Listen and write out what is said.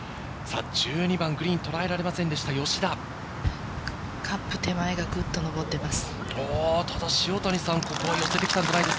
１２番のグリーンをとらえられませんでした、カップ手前がぐっと上っています。